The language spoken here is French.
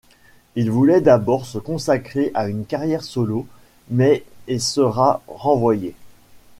Il voulait d'abord se consacrer à une carrière solo, mais et sera renvoyé.